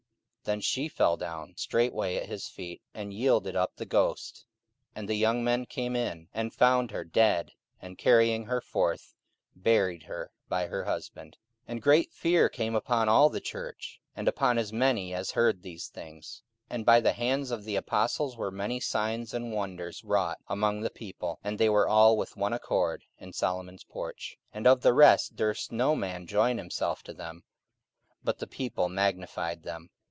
44:005:010 Then fell she down straightway at his feet, and yielded up the ghost: and the young men came in, and found her dead, and, carrying her forth, buried her by her husband. 44:005:011 And great fear came upon all the church, and upon as many as heard these things. 44:005:012 And by the hands of the apostles were many signs and wonders wrought among the people; (and they were all with one accord in Solomon's porch. 44:005:013 And of the rest durst no man join himself to them: but the people magnified them.